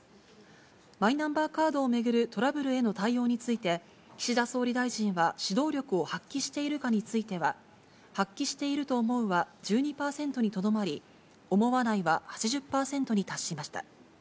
マイナンバーカードを巡るトラブルへの対応について、岸田総理大臣は指導力を発揮しているかについては、発揮していると思うは１２％にとどまり、思わないは８０％に達しました。